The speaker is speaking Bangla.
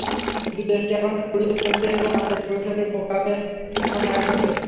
কিন্তু দেশটি এখনো খুঁড়িয়ে চলছে এবং আন্তর্জাতিক পরিসরে মুগাবে এখনো একঘরে।